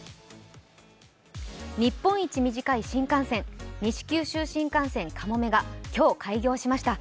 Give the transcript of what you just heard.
日本一短い新幹線、西九州新幹線・かもめが今日、開業しました。